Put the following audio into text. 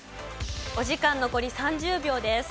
お時間残り３０秒です。